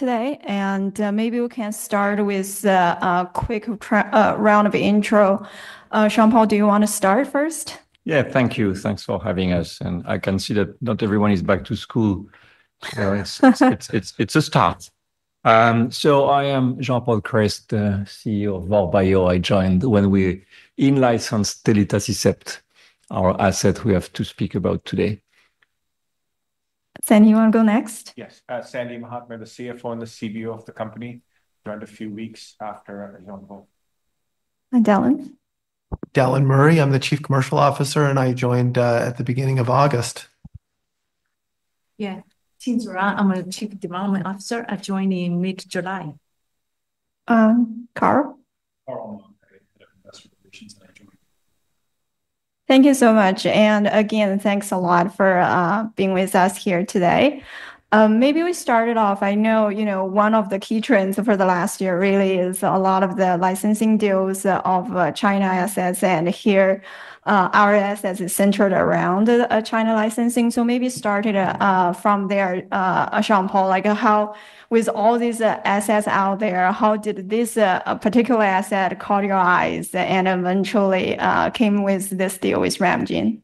Today, and maybe we can start with a quick round of intro. Jean-Paul, do you want to start first? Yeah, thank you. Thanks for having us. I can see that not everyone is back to school. It's a start. I am Jean-Paul Kress, CEO of VOR Bio. I joined when we e-licensed telitacicept, our asset we have to speak about today. Sandy do you want to go next? Yes, Sandy Mahatme, the CFO and the CBO of the company, joined a few weeks after. [unintelligible] And Dallan. Dallan Murray I'm the Chief Commercial Officer, and I joined at the beginning of August. Yeah, Qim Zuraw. I'm Chief Development Officer. I joined in mid-July. Carl. Thank you so much. Thanks a lot for being with us here today. Maybe we start off. I know one of the key trends for the last year really is a lot of the licensing deals of China assets. Here, our assets are centered around China licensing. Maybe start from there, Jean-Paul. With all these assets out there, how did this particular asset catch your eyes and eventually come with this deal with RemeGen?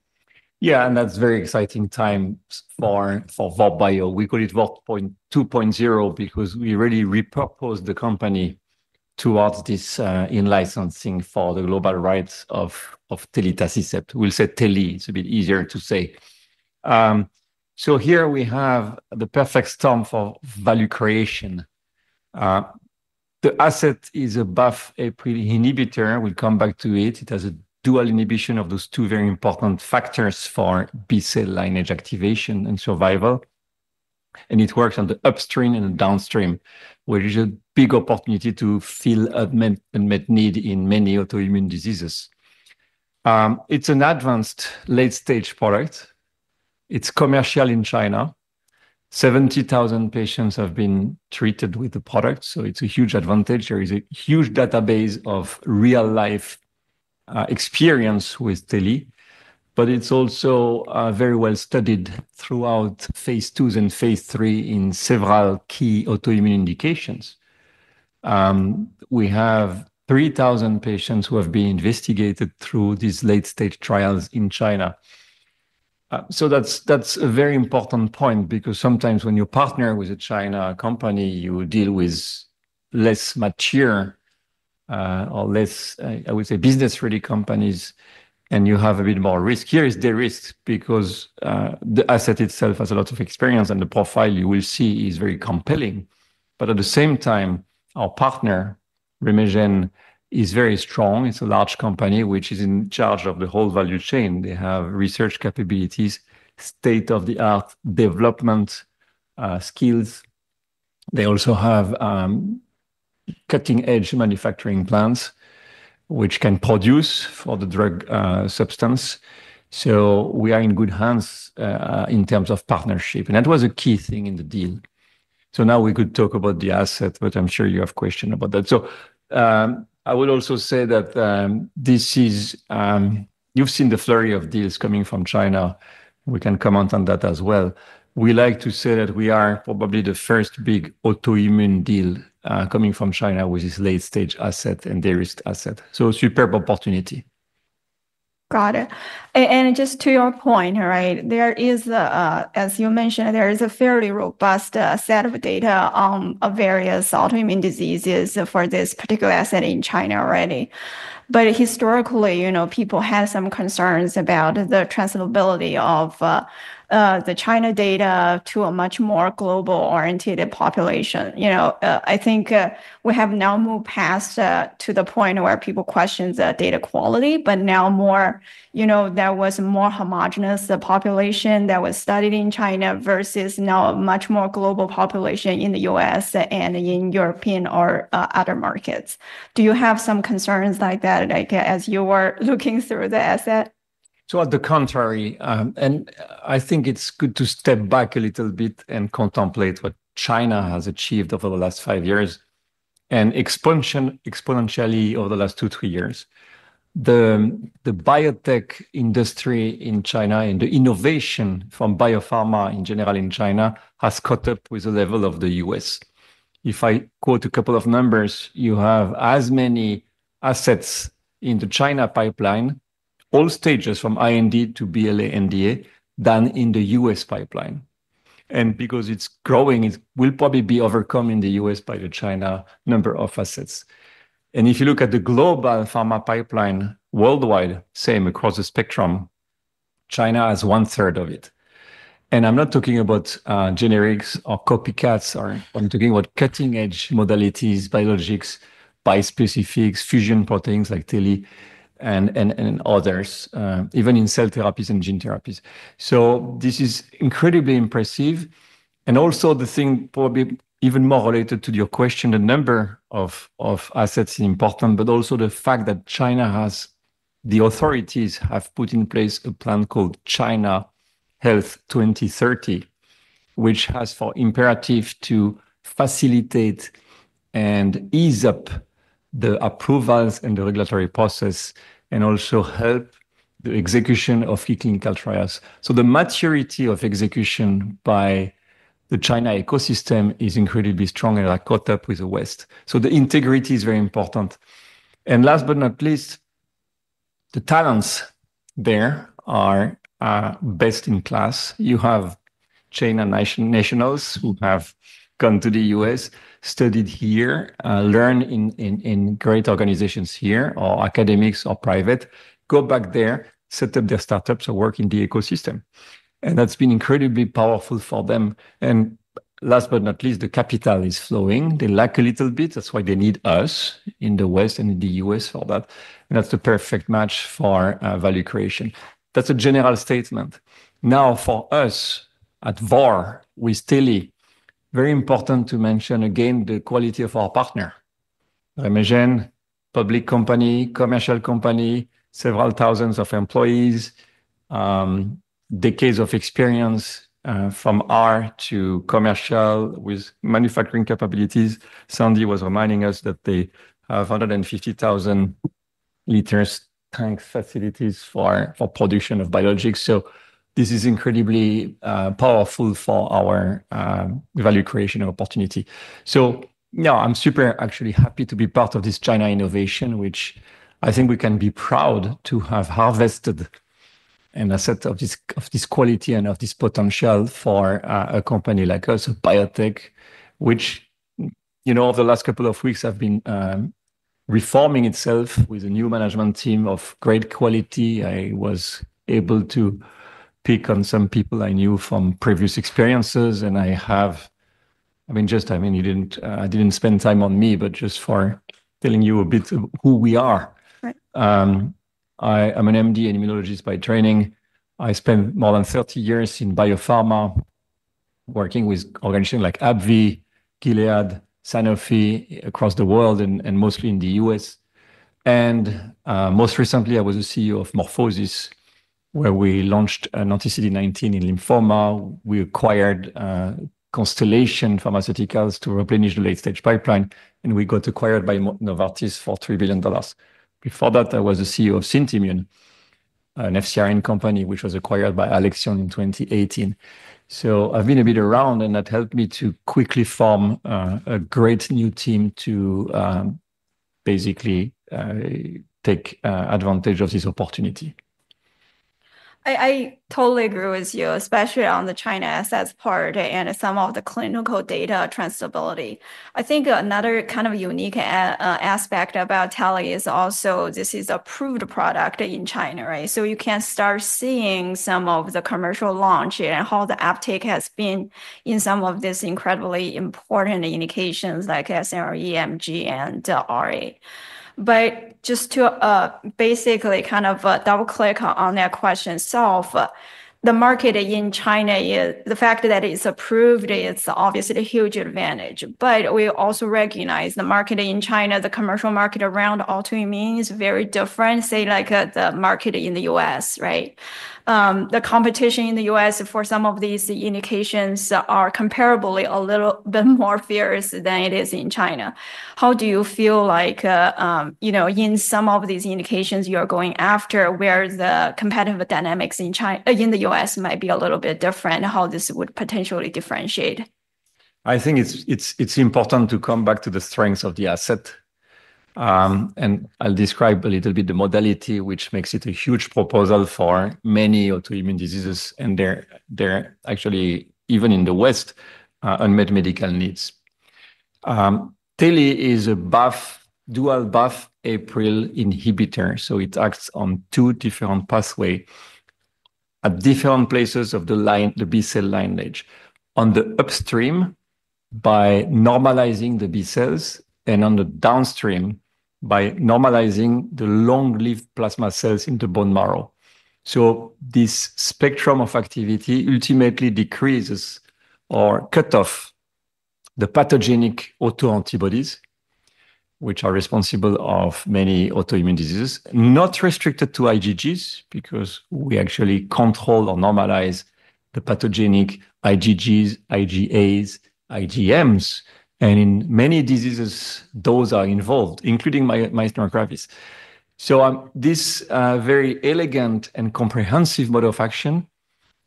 Yeah, and that's a very exciting time for VOR Bio. We call it VOR 2.0 because we really repurposed the company throughout this e-licensing for the global rights of telitacicept. We'll say teli. It's a bit easier to say. Here we have the perfect storm for value creation. The asset is a BAFF/APRIL inhibitor. We'll come back to it. It has a dual inhibition of those two very important factors for B-cell lineage activation and survival. It works on the upstream and the downstream, which is a big opportunity to fill a met need in many autoimmune diseases. It's an advanced late-stage product. It's commercial in China. 70,000 patients have been treated with the product. It's a huge advantage. There is a huge database of real-life experience with teli. It's also very well studied throughout phase II and phase III in several key autoimmune indications. We have 3,000 patients who have been investigated through these late-stage trials in China. That's a very important point because sometimes when you partner with a China company, you deal with less mature or less, I would say, business-ready companies. You have a bit more risk. Here is the risk because the asset itself has a lot of experience and the profile you will see is very compelling. At the same time, our partner, RemeGen, is very strong. It's a large company which is in charge of the whole value chain. They have research capabilities, state-of-the-art development skills. They also have cutting-edge manufacturing plants which can produce for the drug substance. We are in good hands in terms of partnership. That was a key thing in the deal. Now we could talk about the asset, but I'm sure you have questions about that. I would also say that this is, you've seen the flurry of deals coming from China. We can comment on that as well. We like to say that we are probably the first big autoimmune deal coming from China with this late-stage asset and the risk asset. A superb opportunity. Got it. Just to your point, there is, as you mentioned, a fairly robust set of data on various autoimmune diseases for this particular asset in China already. Historically, people had some concerns about the transferability of the China data to a much more global-oriented population. I think we have now moved past the point where people question the data quality, but now, there was a more homogeneous population that was studied in China versus now a much more global population in the U.S. and in European or other markets. Do you have some concerns like that, like as you were looking through the asset? On the contrary, I think it's good to step back a little bit and contemplate what China has achieved over the last five years and expansion exponentially over the last two, three years. The biotech industry in China and the innovation from biopharma in general in China has caught up with the level of the U.S. If I quote a couple of numbers, you have as many assets in the China pipeline, all stages from IND to BLA, NDA, as in the U.S. pipeline. Because it's growing, it will probably overcome the U.S. by the China number of assets. If you look at the global pharma pipeline worldwide, same across the spectrum, China has one third of it. I'm not talking about generics or copycats. I'm talking about cutting-edge modalities, biologics, bispecifics, fusion proteins like teli and others, even in cell therapies and gene therapies. This is incredibly impressive. Probably even more related to your question, the number of assets is important, but also the fact that China has, the authorities have put in place a plan called China Health 2030, which has for imperative to facilitate and ease up the approvals and the regulatory process and also help the execution of key clinical trials. The maturity of execution by the China ecosystem is incredibly strong and has caught up with the West. The integrity is very important. Last but not least, the talents there are best in class. You have China nationals who have gone to the U.S., studied here, learned in great organizations here or academics or private, go back there, set up their startups or work in the ecosystem. That's been incredibly powerful for them. Last but not least, the capital is flowing. They lack a little bit. That's why they need us in the West and in the U.S. for that. That's a perfect match for value creation. That's a general statement. Now for us at VOR with teli, very important to mention again the quality of our partner, RemeGen, public company, commercial company, several thousands of employees, decades of experience from R to commercial with manufacturing capabilities. Sandy was reminding us that they have 150,000L-tank facilities for production of biologics. This is incredibly powerful for our value creation opportunity. I'm actually happy to be part of this China innovation, which I think we can be proud to have harvested and a set of this quality and of this potential for a company like us, a biotech, which you know over the last couple of weeks have been reforming itself with a new management team of great quality. I was able to pick on some people I knew from previous experiences. I mean, just, I mean, you didn't, I didn't spend time on me, but just for telling you a bit of who we are. I'm an MD and immunologist by training. I spent more than 30 years in biopharma working with organizations like AbbVie, Gilead, Sanofi across the world and mostly in the U.S. Most recently, I was the CEO of MorphoSys, where we launched an anti-CD19 in lymphoma. We acquired Constellation Pharmaceuticals to replenish the late-stage pipeline, and we got acquired by Novartis for $3 billion. Before that, I was the CEO of Syntimmune, an FCRN company, which was acquired by Alexion in 2018. I've been a bit around and that helped me to quickly form a great new team to basically take advantage of this opportunity. I totally agree with you, especially on the China assets part and some of the clinical data transferability. I think another kind of unique aspect about teli is also this is an approved product in China, right? You can start seeing some of the commercial launch and how the uptake has been in some of these incredibly important indications like SLE, MG, and RA. Just to basically kind of double click on that question itself, the market in China, the fact that it's approved, it's obviously a huge advantage. We also recognize the market in China, the commercial market around autoimmune is very different, say like the market in the U.S., right? The competition in the U.S. for some of these indications are comparably a little bit more fierce than it is in China. How do you feel like, you know, in some of these indications you are going after where the competitive dynamics in the U.S. might be a little bit different? How this would potentially differentiate? I think it's important to come back to the strengths of the asset. I'll describe a little bit the modality, which makes it a huge proposal for many autoimmune diseases and there are actually even in the West unmet medical needs. teli is a BAFF, dual BAFF/APRIL inhibitor. It acts on two different pathways at different places of the B-cell lineage, on the upstream by normalizing the B cells and on the downstream by normalizing the long-lived plasma cells in the bone marrow. This spectrum of activity ultimately decreases or cuts off the pathogenic autoantibodies, which are responsible for many autoimmune diseases, not restricted to IgGs because we actually control or normalize the pathogenic IgGs, IgAs, IgMs. In many diseases, those are involved, including myasthenia gravis. This very elegant and comprehensive mode of action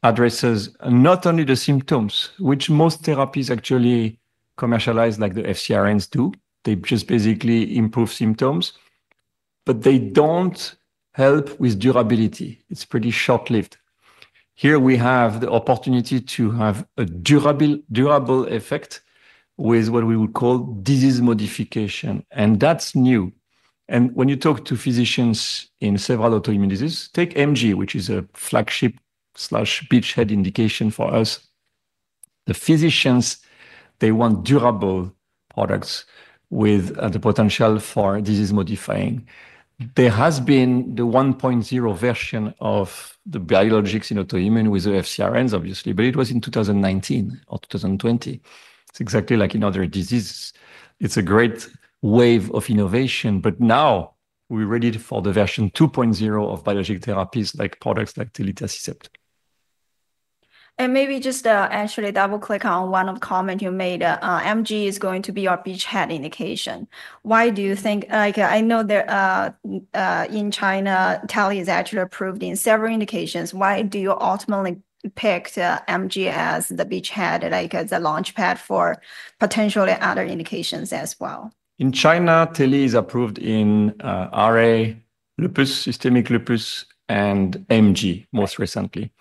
addresses not only the symptoms, which most therapies actually commercialize like the FCRN do. They just basically improve symptoms, but they don't help with durability. It's pretty short-lived. Here we have the opportunity to have a durable effect with what we will call disease modification. That's new. When you talk to physicians in several autoimmune diseases, take MG, which is a flagship slash beachhead indication for us, the physicians, they want durable products with the potential for disease modifying. There has been the 1.0 version of the biologics in autoimmune with the FCRNs, obviously, but it was in 2019 or 2020. It's exactly like in other diseases. It's a great wave of innovation, but now we're ready for the version 2.0 of biologic therapies like products like telitacicept. Maybe just to actually double click on one of the comments you made, MG is going to be your beachhead indication. Why do you think, like I know that in China, teli is actually approved in several indications. Why do you ultimately pick MG as the beachhead, like the launchpad for potentially other indications as well? In China, teli is approved in RA, lupus, systemic lupus, and MG most recently.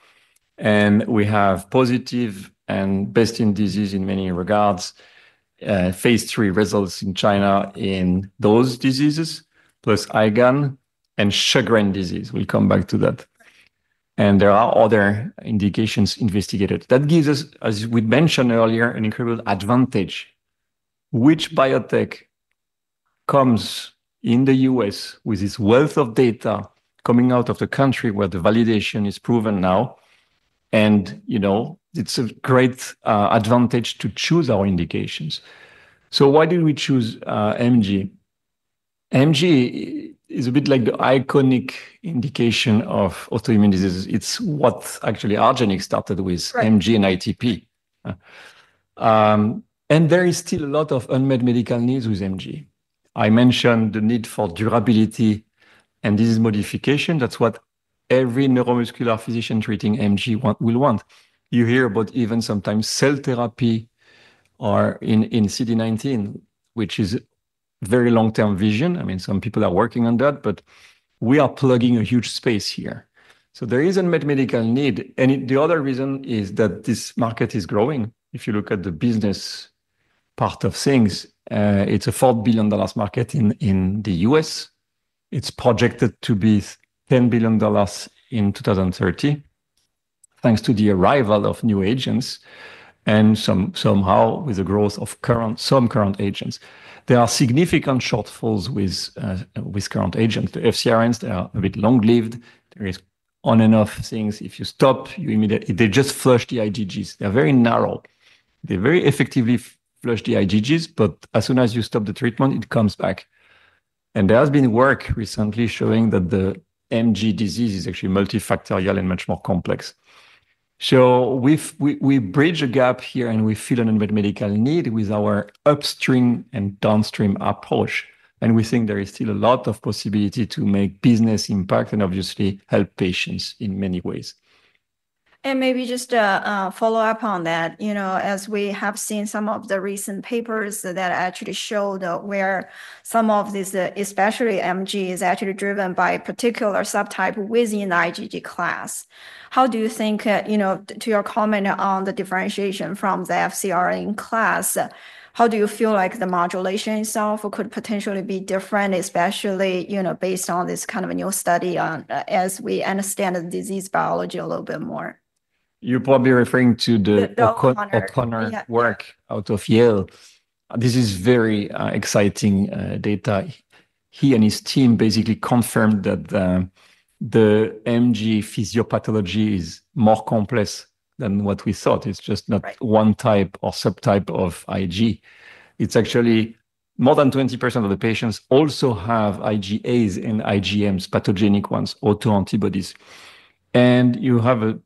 We have positive and best in disease in many regards. Phase III results in China in those diseases, plus IgAN and Sjögren’s disease. We'll come back to that. There are other indications investigated. That gives us, as we mentioned earlier, an incredible advantage. Which biotech comes in the U.S. with this wealth of data coming out of the country where the validation is proven now. It's a great advantage to choose our indications. Why did we choose MG? MG is a bit like the iconic indication of autoimmune diseases. It's what actually Argenx started with, MG and ITP. There is still a lot of unmet medical needs with MG. I mentioned the need for durability and disease modification. That's what every neuromuscular physician treating MG will want. You hear about even sometimes cell therapy or in CD19, which is very long-term vision. Some people are working on that, but we are plugging a huge space here. There is unmet medical need. The other reason is that this market is growing. If you look at the business part of things, it's a $4 billion market in the U.S. It's projected to be $10 billion in 2030, thanks to the arrival of new agents and somehow with the growth of some current agents. There are significant shortfalls with current agents. The FCRNs, they are a bit long-lived. There is on and off things. If you stop, they just flush the IgGs. They are very narrow. They very effectively flush the IgGs, but as soon as you stop the treatment, it comes back. There has been work recently showing that the MG disease is actually multifactorial and much more complex. We bridge a gap here and we fill an unmet medical need with our upstream and downstream approach. We think there is still a lot of possibility to make business impact and obviously help patients in many ways. Maybe just a follow-up on that. You know, as we have seen some of the recent papers that actually showed where some of these, especially MG, is actually driven by a particular subtype within the IgG class. How do you think, you know, to your comment on the differentiation from the FCRN class, how do you feel like the modulation itself could potentially be different, especially, you know, based on this kind of a new study on, as we understand the disease biology a little bit more? You're probably referring to the O'Connor work out of Yale. This is very exciting data. He and his team basically confirmed that the MG physiopathology is more complex than what we thought. It's just not one type or subtype of Ig. It's actually more than 20% of the patients also have IgAs and IgMs, pathogenic ones, autoantibodies. You have a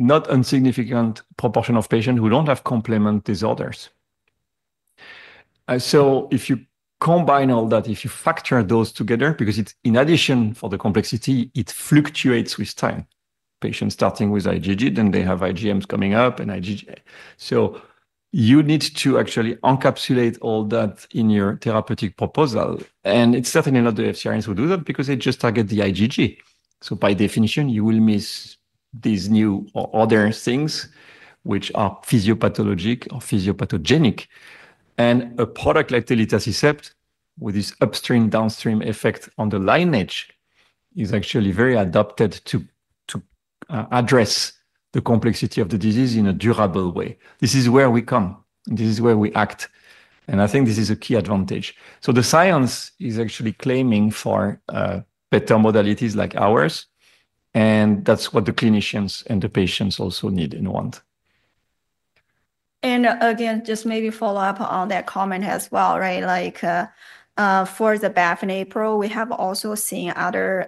not unsignificant proportion of patients who don't have complement disorders. If you combine all that, if you factor those together, because it's in addition for the complexity, it fluctuates with time. Patients starting with IgG, then they have IgMs coming up and IgA. You need to actually encapsulate all that in your therapeutic proposal. It's certainly not the FCRNs who do that because they just target the IgG. By definition, you will miss these new or other things which are physiopathologic or physiopathogenic. A product like telitacicept, with this upstream-downstream effect on the lineage, is actually very adapted to address the complexity of the disease in a durable way. This is where we come. This is where we act. I think this is a key advantage. The science is actually claiming for better modalities like ours. That's what the clinicians and the patients also need and want. Just maybe follow up on that comment as well, right? For the BAFF and APRIL, we have also seen other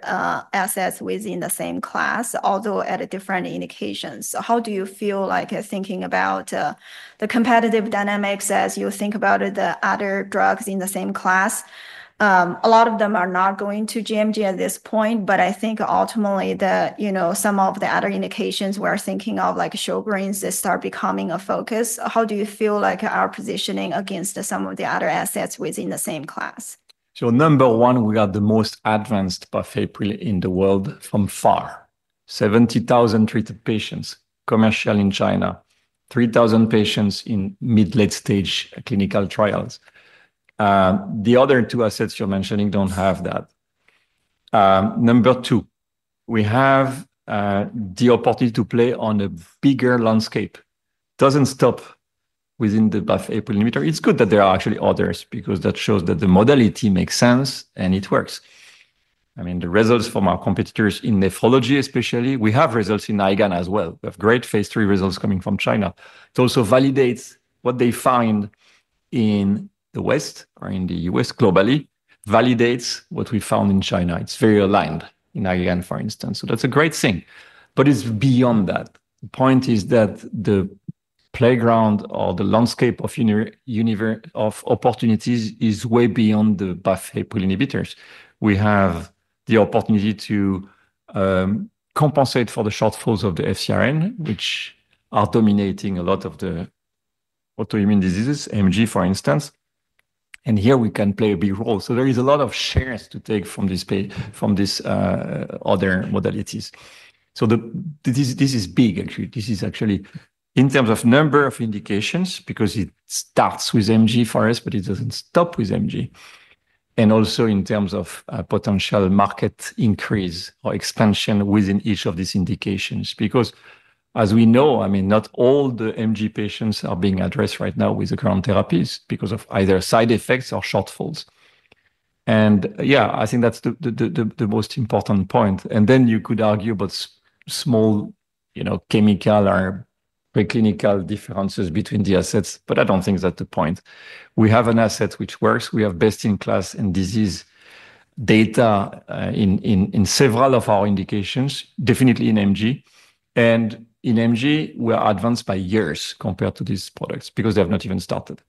assets within the same class, although at different indications. How do you feel like thinking about the competitive dynamics as you think about the other drugs in the same class? A lot of them are not going to gMG at this point, but I think ultimately that, you know, some of the other indications we're thinking of, like Sjögren’s, they start becoming a focus. How do you feel like our positioning against some of the other assets within the same class? Number one, we are the most advanced BAFF/APRIL in the world by far. 70,000 treated patients, commercial in China, 3,000 patients in mid-late stage clinical trials. The other two assets you're mentioning don't have that. Number two, we have the opportunity to play on a bigger landscape. It doesn't stop within the BAFF/APRIL limiter. It's good that there are actually others because that shows that the modality makes sense and it works. I mean, the results from our competitors in nephrology, especially, we have results in IgAN as well. We have great phase III results coming from China. It also validates what they find in the West or in the U.S. globally, validates what we found in China. It's very aligned in IgAN, for instance. That's a great thing. It's beyond that. The point is that the playground or the landscape of universe of opportunities is way beyond the BAFF/APRIL inhibitors. We have the opportunity to compensate for the shortfalls of the FCRN, which are dominating a lot of the autoimmune diseases, MG, for instance. Here we can play a big role. There is a lot of shares to take from these other modalities. This is big, actually. This is actually in terms of number of indications because it starts with MG for us, but it doesn't stop with MG. Also in terms of potential market increase or expansion within each of these indications because as we know, not all the MG patients are being addressed right now with the current therapies because of either side effects or shortfalls. I think that's the most important point. You could argue about small, you know, chemical or preclinical differences between the assets, but I don't think that's the point. We have an asset which works. We have best-in-class and disease data in several of our indications, definitely in MG. In MG, we're advanced by years compared to these products because they have not even started.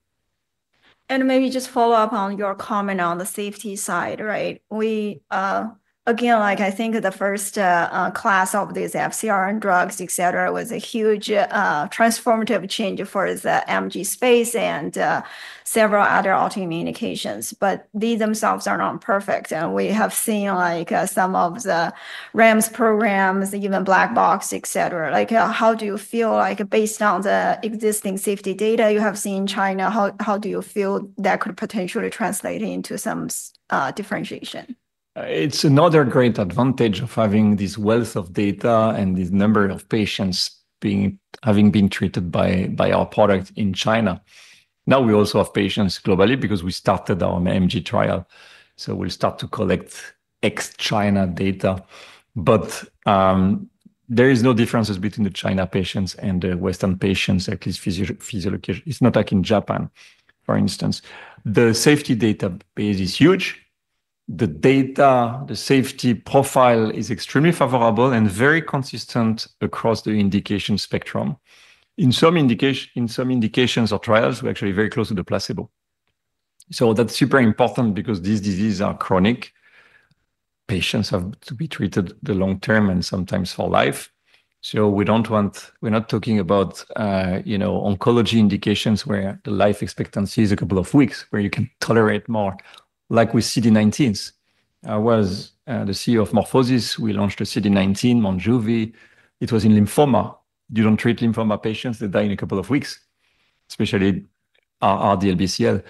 Maybe just follow up on your comment on the safety side, right? We, again, like I think the first class of these FCRN drugs, etc., was a huge transformative change for the MG space and several other autoimmune indications. These themselves are not perfect. We have seen like some of the RAMS programs, even black-box, etc. How do you feel like based on the existing safety data you have seen in China, how do you feel that could potentially translate into some differentiation? It's another great advantage of having this wealth of data and this number of patients having been treated by our product in China. Now we also have patients globally because we started our MG trial. We'll start to collect ex-China data. There is no difference between the China patients and the Western patients, at least physiological. It's not like in Japan, for instance. The safety database is huge. The safety profile is extremely favorable and very consistent across the indication spectrum. In some indications or trials, we're actually very close to the placebo. That's super important because these diseases are chronic. Patients have to be treated the long term and sometimes for life. We don't want, we're not talking about, you know, oncology indications where the life expectancy is a couple of weeks, where you can tolerate more, like with CD19s. I was the CEO of MorphoSys. We launched a CD19, Monjuvi. It was in lymphoma. You don't treat lymphoma patients. They die in a couple of weeks, especially RDLBCL.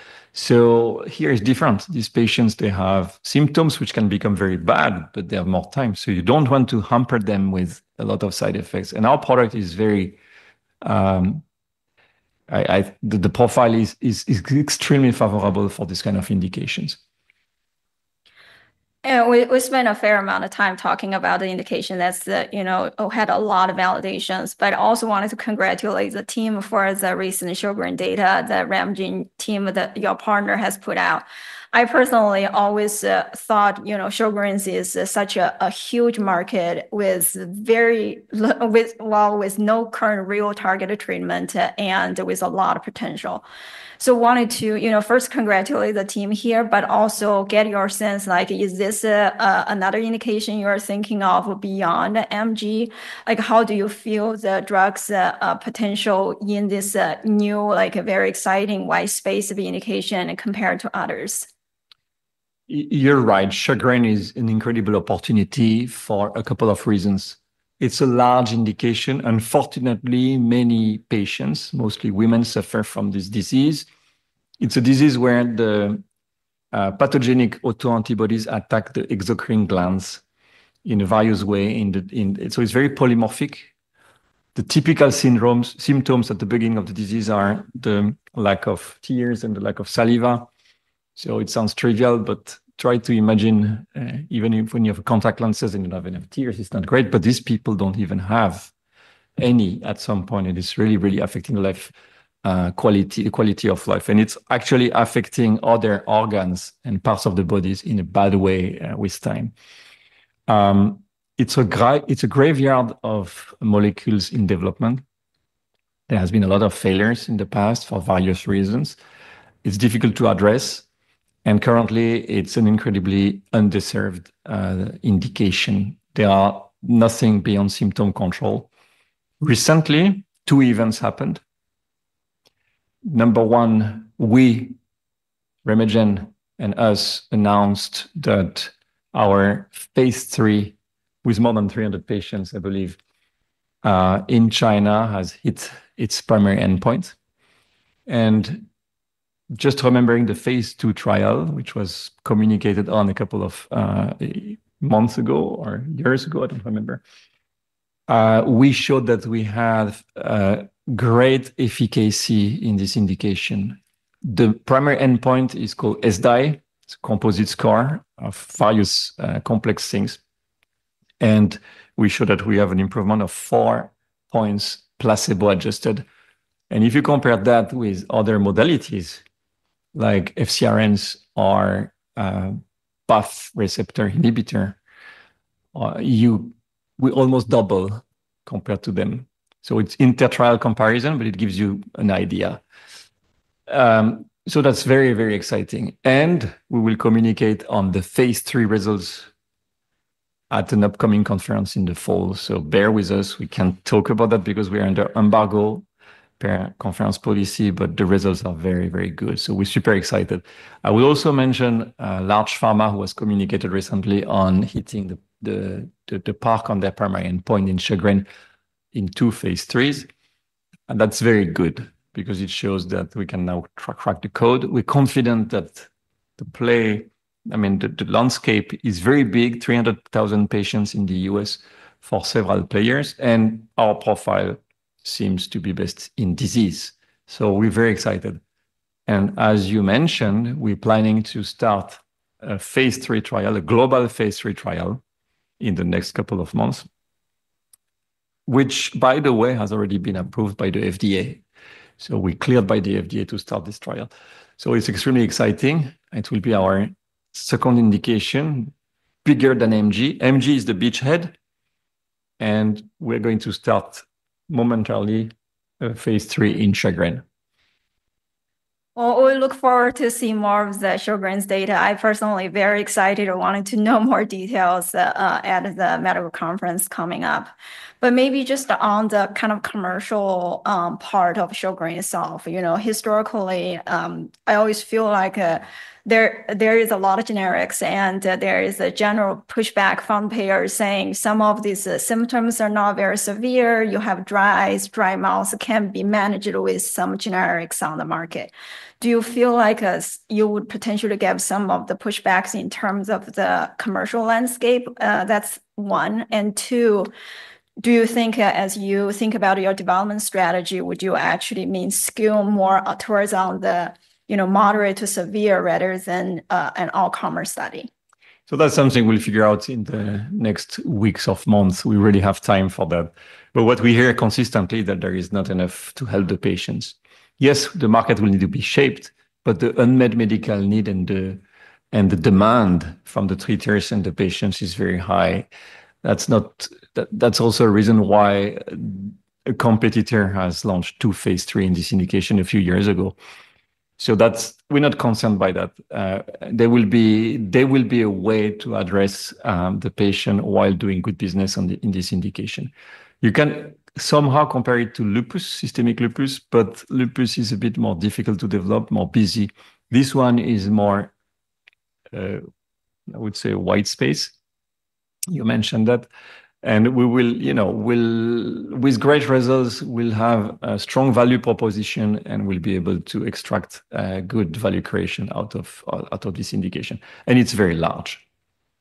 Here it's different. These patients, they have symptoms which can become very bad, but they have more time. You don't want to hamper them with a lot of side effects. Our product is very, the profile is extremely favorable for this kind of indications. We spent a fair amount of time talking about the indication that's had a lot of validations, but I also wanted to congratulate the team for the recent Sjögren’s data, the RemeGen team that your partner has put out. I personally always thought Sjögren’s is such a huge market with very little, with no current real targeted treatment and with a lot of potential. I wanted to first congratulate the team here, but also get your sense, is this another indication you're thinking of beyond MG? How do you feel the drug's potential in this new, a very exciting wide space of indication compared to others? You're right. Sjögren’s is an incredible opportunity for a couple of reasons. It's a large indication. Unfortunately, many patients, mostly women, suffer from this disease. It's a disease where the pathogenic autoantibodies attack the exocrine glands in a various way. It's very polymorphic. The typical symptoms at the beginning of the disease are the lack of tears and the lack of saliva. It sounds trivial, but try to imagine even when you have a contact lens and you don't have enough tears, it's not great. These people don't even have any at some point. It's really, really affecting the quality of life. It's actually affecting other organs and parts of the body in a bad way with time. It's a graveyard of molecules in development. There have been a lot of failures in the past for various reasons. It's difficult to address. Currently, it's an incredibly underserved indication. There is nothing beyond symptom control. Recently, two events happened. Number one, we, RemeGen, and us announced that our phase III with more than 300 patients, I believe, in China has hit its primary endpoint. Just remembering the phase II trial, which was communicated on a couple of months ago or years ago, I don't remember, we showed that we have great efficacy in this indication. The primary endpoint is called SDI, it's a composite score of various complex things. We showed that we have an improvement of four points placebo-adjusted. If you compare that with other modalities, like FCRNs or BAFF receptor inhibitor, we almost double compared to them. It's inter-trial comparison, but it gives you an idea. That's very, very exciting. We will communicate on the phase III results at an upcoming conference in the fall. Bear with us. We can't talk about that because we are under embargo per conference policy, but the results are very, very good. We're super excited. I will also mention a large pharma who has communicated recently on hitting the park on their primary endpoint in Sjögren’s in two phase IIIs. That's very good because it shows that we can now track the code. We're confident that the play, I mean, the landscape is very big, 300,000 patients in the U.S. for several players. Our profile seems to be best in disease. We're very excited. As you mentioned, we're planning to start a phase III trial, a global phase III trial in the next couple of months, which, by the way, has already been approved by the FDA. We're cleared by the FDA to start this trial. It's extremely exciting. It will be our second indication, bigger than MG. MG is the beachhead. We're going to start momentarily a phase III in Sjögren’s. I look forward to seeing more of the Sjögren’s data. I'm personally very excited. I wanted to know more details at the medical conference coming up. Maybe just on the kind of commercial part of Sjögren itself, you know, historically, I always feel like there is a lot of generics and there is a general pushback from payers saying some of these symptoms are not very severe. You have dry eyes, dry mouth can be managed with some generics on the market. Do you feel like you would potentially get some of the pushbacks in terms of the commercial landscape? That's one. Two, do you think as you think about your development strategy, would you actually mean skew more towards the, you know, moderate to severe rather than an all-comers study? That's something we'll figure out in the next weeks or months. We really have time for that. What we hear consistently is that there is not enough to help the patients. Yes, the market will need to be shaped, but the unmet medical need and the demand from the treaters and the patients is very high. That's also a reason why a competitor has launched two phase III in this indication a few years ago. We're not concerned by that. There will be a way to address the patient while doing good business in this indication. You can somehow compare it to systemic lupus, but lupus is a bit more difficult to develop, more busy. This one is more, I would say, a white space. You mentioned that. With great results, we'll have a strong value proposition and we'll be able to extract good value creation out of this indication. It's very large.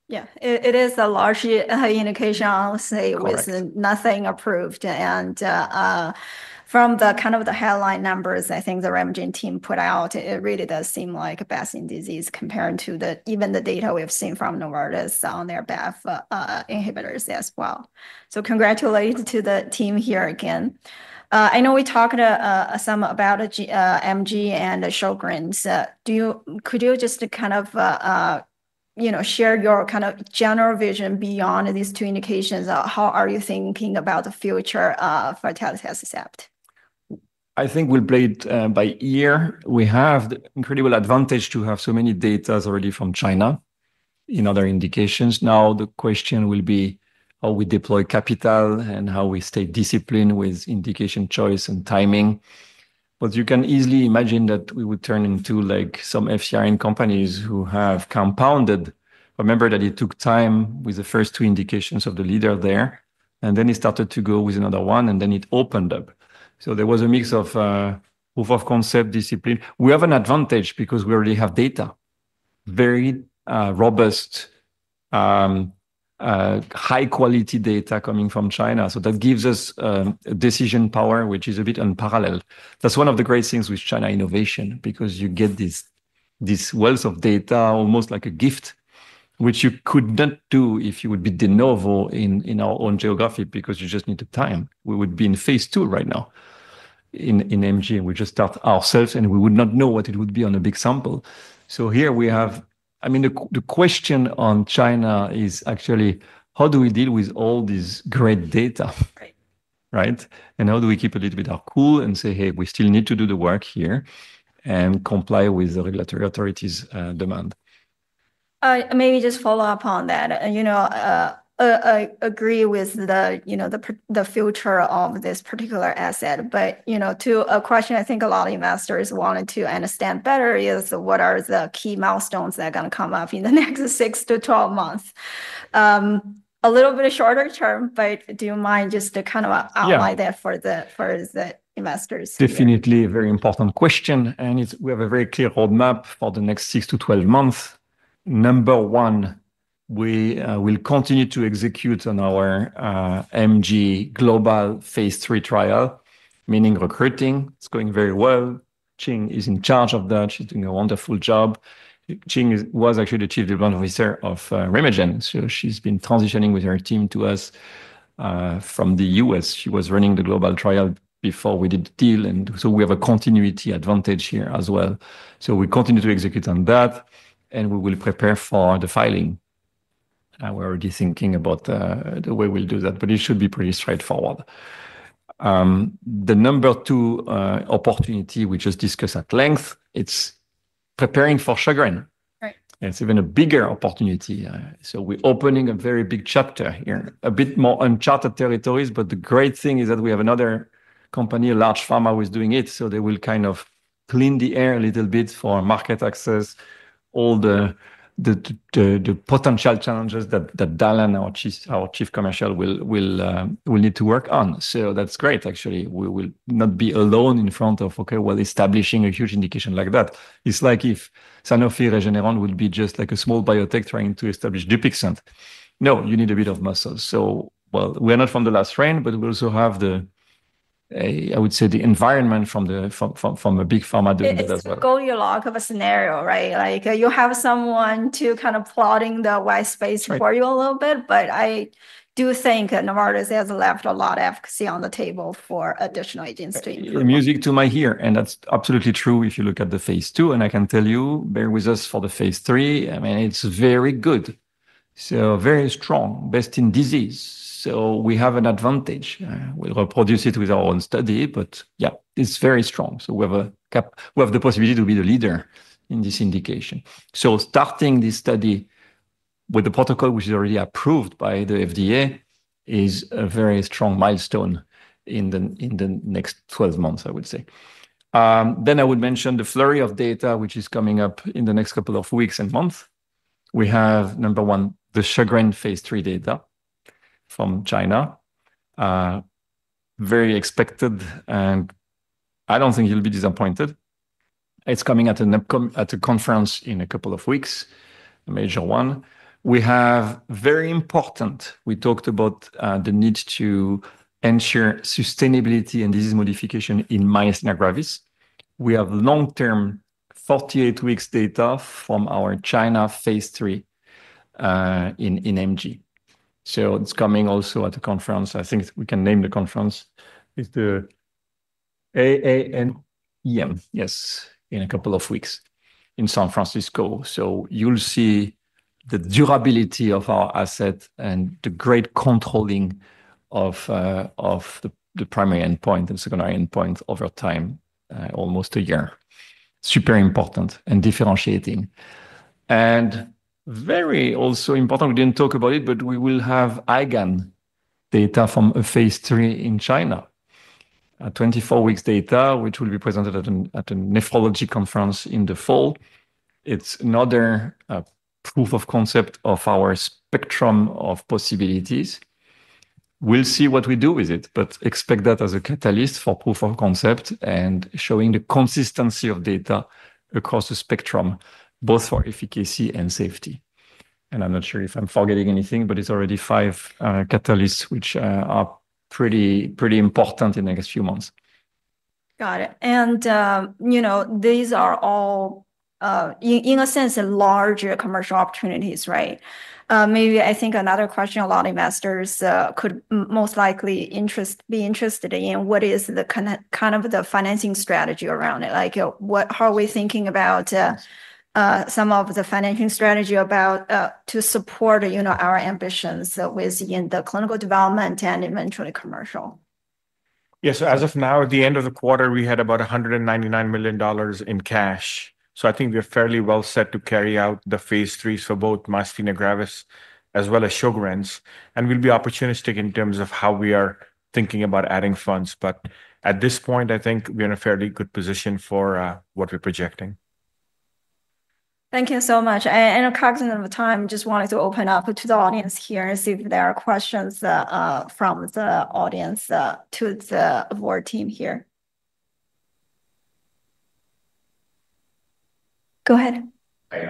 Yeah, it is a large, high indication, I'll say, with nothing approved. From the headline numbers I think the RemeGen team put out, it really does seem like BAFF in disease compared to the, even the data we've seen from Novartis on their BAFF inhibitors as well. Congratulations to the team here again. I know we talked some about MG and the Sjögren’s. Could you just share your general vision beyond these two indications? How are you thinking about the future of telitacicept? I think we'll play it by ear. We have the incredible advantage to have so many data already from China in other indications. The question will be how we deploy capital and how we stay disciplined with indication choice and timing. You can easily imagine that we would turn into like some FCRN companies who have compounded. Remember that it took time with the first two indications of the leader there. It started to go with another one, and it opened up. There was a mix of proof of concept, discipline. We have an advantage because we already have data, very robust, high-quality data coming from China. That gives us a decision power, which is a bit unparalleled. That's one of the great things with China innovation because you get this wealth of data, almost like a gift, which you could not do if you would be de novo in our own geography because you just need the time. We would be in phase II right now in MG. We just start ourselves and we would not know what it would be on a big sample. Here we have, I mean, the question on China is actually how do we deal with all this great data, right? How do we keep a little bit of cool and say, hey, we still need to do the work here and comply with the regulatory authorities' demand? Maybe just follow up on that. I agree with the future of this particular asset. A question I think a lot of investors wanted to understand better is what are the key milestones that are going to come up in the next 6 to 12 months? A little bit of shorter term, but do you mind just to kind of outline that for the investors? Definitely a very important question. We have a very clear roadmap for the next 6 to 12 months. Number one, we will continue to execute on our MG global phase III trial, meaning recruiting. It's going very well. Qin is in charge of that. She's doing a wonderful job. Qin was actually the Chief Development Officer of RemeGen. She's been transitioning with her team to us from the U.S. She was running the global trial before we did the deal, and we have a continuity advantage here as well. We continue to execute on that, and we will prepare for the filing. We're already thinking about the way we'll do that, but it should be pretty straightforward. The number two opportunity we just discussed at length is preparing for Sjögren’s. It's even a bigger opportunity. We're opening a very big chapter here, a bit more uncharted territories. The great thing is that we have another company, a large pharma, who is doing it. They will kind of clean the air a little bit for market access, all the potential challenges that Dallan, our Chief Commercial, will need to work on. That's great, actually. We will not be alone in front of well, establishing a huge indication like that. It's like if Sanofi Regeneron would be just like a small biotech trying to establish Dupixent. You need a bit of muscle. We're not from the last train, but we also have the, I would say, the environment from a big pharma doing that as well. It's a goldilock of a scenario, right? Like you have someone to kind of plot in the white space for you a little bit. I do think Novartis has left a lot of efficacy on the table for additional agents too. Music to my ear. That's absolutely true if you look at the phase II. I can tell you, bear with us for the phase III. It's very good. Very strong, best in disease. We have an advantage. We'll reproduce it with our own study. It's very strong. We have the possibility to be the leader in this indication. Starting this study with the protocol, which is already approved by the FDA, is a very strong milestone in the next 12 months, I would say. I would mention the flurry of data, which is coming up in the next couple of weeks and months. We have, number one, the Sjögren phase III data from China. Very expected. I don't think you'll be disappointed. It's coming at a conference in a couple of weeks, a major one. We have very important, we talked about the need to ensure sustainability and disease modification in myasthenia gravis. We have long-term 48 weeks data from our China phase III in MG. It's coming also at the conference. I think we can name the conference. It's the AANEM, yes, in a couple of weeks in San Francisco. You'll see the durability of our asset and the great controlling of the primary endpoint and secondary endpoint over time, almost a year. Super important and differentiating. Very also important, we didn't talk about it, but we will have IgAN data from a phase III in China. A 24 weeks data, which will be presented at a nephrology conference in the fall. It's another proof of concept of our spectrum of possibilities. We'll see what we do with it, but expect that as a catalyst for proof of concept and showing the consistency of data across the spectrum, both for efficacy and safety. I'm not sure if I'm forgetting anything, but it's already five catalysts, which are pretty important in the next few months. Got it. These are all, in a sense, a larger commercial opportunity, right? Maybe I think another question a lot of investors could most likely be interested in is, what is the kind of the financing strategy around it? What are we thinking about some of the financing strategy to support our ambitions within the clinical development and eventually commercial? Yeah, as of now, at the end of the quarter, we had about $199 million in cash. I think we're fairly well set to carry out the phase III for both myasthenia gravis as well as Sjögren's. We'll be opportunistic in terms of how we are thinking about adding funds. At this point, I think we're in a fairly good position for what we're projecting. Thank you so much. In the cognitive time, I just wanted to open up to the audience here and see if there are questions from the audience to the award team here. Go ahead. I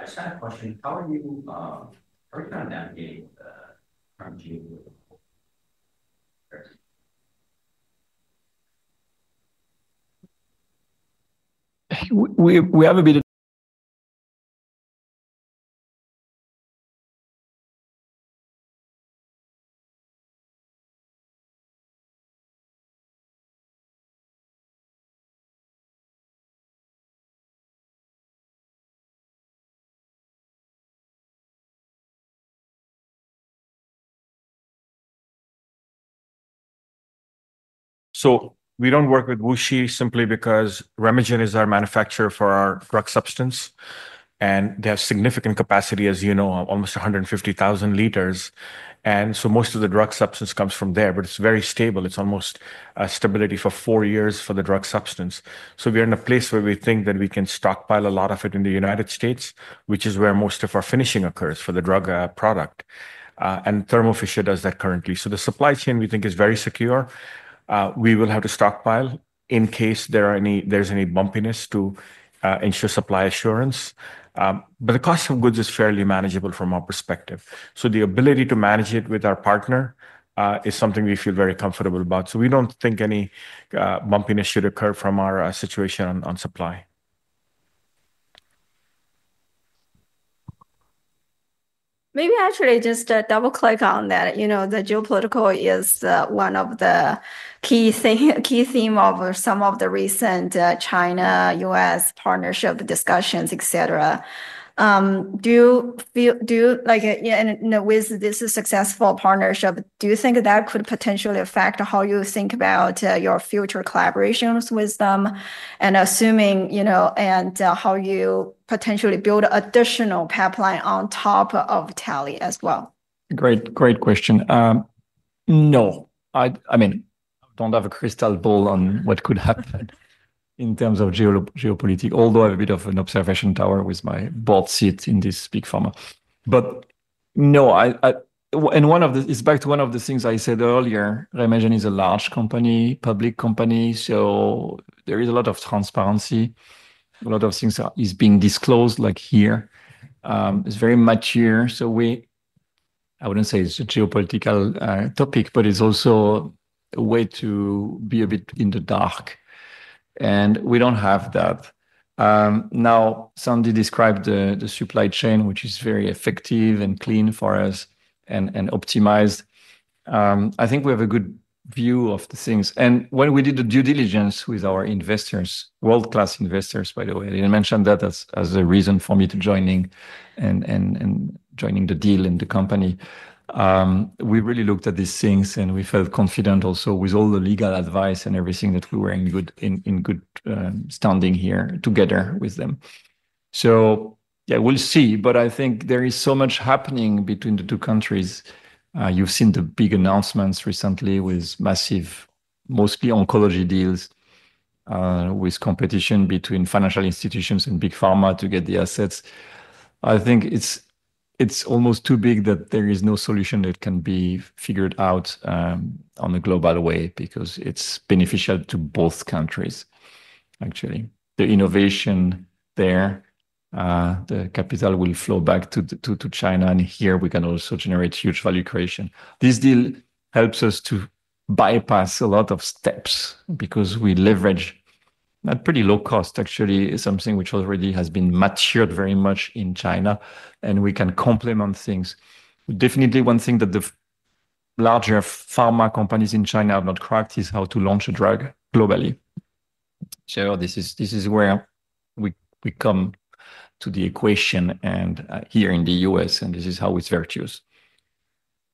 just have a question. How are you working on that? We don't work with Ousia simply because RemeGen is our manufacturer for our drug substance. They have significant capacity, as you know, almost 150,000 L. Most of the drug substance comes from there, but it's very stable. It's almost stability for four years for the drug substance. We're in a place where we think that we can stockpile a lot of it in the United States, which is where most of our finishing occurs for the drug product. Thermo Fisher does that currently. The supply chain we think is very secure. We will have to stockpile in case there's any bumpiness to ensure supply assurance. The cost of goods is fairly manageable from our perspective. The ability to manage it with our partner is something we feel very comfortable about. We don't think any bumpiness should occur from our situation on supply. Maybe actually just double click on that. The geopolitical is one of the key themes of some of the recent China-U.S. partnership discussions, et cetera. Do you feel, do you like in a way, this is a successful partnership? Do you think that could potentially affect how you think about your future collaborations with them? Assuming, you know, how you potentially build additional pipeline on top of teli as well? Great, great question. No, I mean, I don't have a crystal ball on what could happen in terms of geopolitics, although I have a bit of an observation tower with my board seat in this big pharma. No, and it's back to one of the things I said earlier. RemeGen is a large company, public company, so there is a lot of transparency. A lot of things are being disclosed, like here. It's very mature. I wouldn't say it's a geopolitical topic, but it's also a way to be a bit in the dark. We don't have that. Sandy described the supply chain, which is very effective and clean for us and optimized. I think we have a good view of the things. When we did the due diligence with our investors, world-class investors, by the way, I didn't mention that as a reason for me to join in and join in the deal in the company. We really looked at these things and we felt confident also with all the legal advice and everything that we were in good standing here together with them. We'll see. I think there is so much happening between the two countries. You've seen the big announcements recently with massive, mostly oncology deals, with competition between financial institutions and Big Pharma to get the assets. I think it's almost too big that there is no solution that can be figured out on a global way because it's beneficial to both countries, actually. The innovation there, the capital will flow back to China. Here we can also generate huge value creation. This deal helps us to bypass a lot of steps because we leverage a pretty low cost, actually, something which already has been matured very much in China. We can complement things. Definitely one thing that the larger pharma companies in China have not cracked is how to launch a drug globally. This is where we come to the equation here in the U.S. This is how it's virtuous.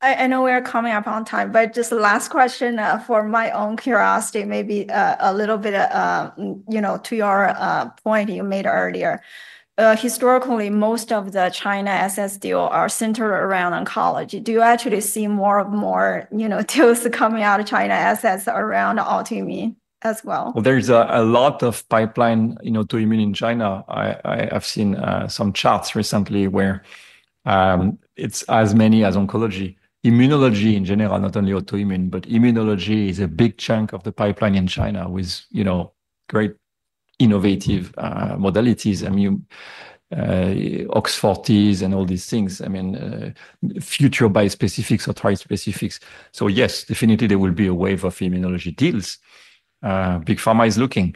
I know we're coming up on time, but just a last question for my own curiosity, maybe a little bit of, you know, to your point you made earlier. Historically, most of the China assets deal are centered around oncology. Do you actually see more and more, you know, deals coming out of China assets around autoimmune as well? There is a lot of pipeline, you know, to immune in China. I've seen some charts recently where it's as many as oncology. Immunology in general, not only autoimmune, but immunology is a big chunk of the pipeline in China with great innovative modalities. I mean, OX40s and all these things. I mean, future biospecifics or trispecifics. Yes, definitely there will be a wave of immunology deals. Big Pharma is looking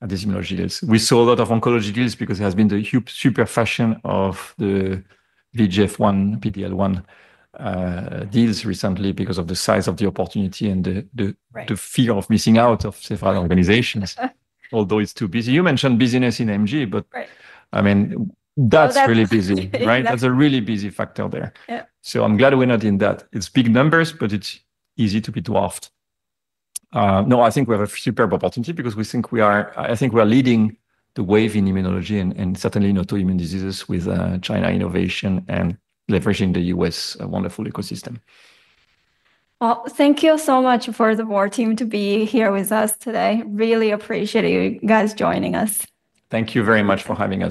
at these immunology deals. We saw a lot of oncology deals because there has been the super fashion of the VEGF1, PD-L1 deals recently because of the size of the opportunity and the fear of missing out of several organizations. Although it's too busy. You mentioned busyness in MG, but I mean, that's really busy, right? That's a really busy factor there. I'm glad we're not in that. It's big numbers, but it's easy to be dwarfed. I think we have a superb opportunity because we think we are, I think we are leading the wave in immunology and certainly in autoimmune diseases with China innovation and leveraging the U.S. wonderful ecosystem. Thank you so much for the board team to be here with us today. Really appreciate you guys joining us. Thank you very much for having me.